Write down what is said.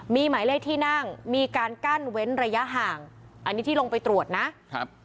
มีหมายเลขที่นั่งมีการกั้นเว้นระยะห่างอันนี้ที่ลงไปตรวจนะครับ